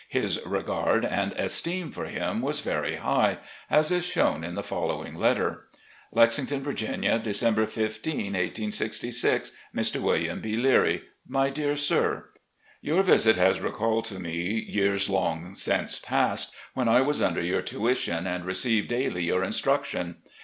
His regard and esteem for him was very high, as is shown in the following letter: "Lexington, Viiginia, December 15, 1866. "Mr. Wm. B. Leary. "My Dear Sir: Your visit has recalled to me years long since passed, when I was under your tuition and received daily your instruction.